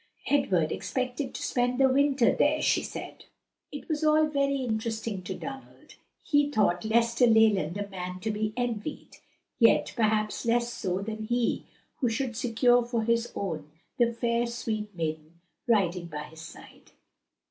Edward expected to spend the winter there, she said. It was all very interesting to Donald. He thought Lester Leland a man to be envied, yet perhaps less so than he who should secure for his own the fair, sweet maiden riding by his side.